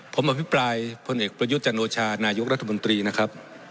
ผมอภิปรายพลเอกประยุทธ์จันโอชานายกรัฐมนตรีนะครับ